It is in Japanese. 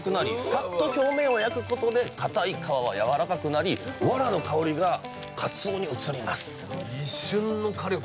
さっと表面を焼くことでかたい皮はやわらかくなりわらの香りがかつおに移ります。